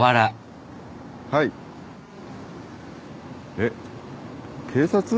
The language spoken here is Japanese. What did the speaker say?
えっ警察！？